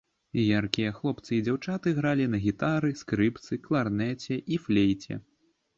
Яркія хлопцы і дзяўчаты гралі на гітары, скрыпцы, кларнеце і флейце.